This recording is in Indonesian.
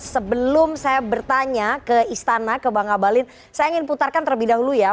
sebelum saya bertanya ke istana ke bang abalin saya ingin putarkan terlebih dahulu ya